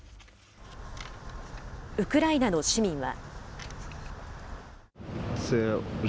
ウクライナの市民は。